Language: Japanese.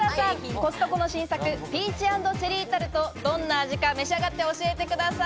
コストコの新作ピーチ＆チェリータルト、どんな味か、召し上がって教えてください。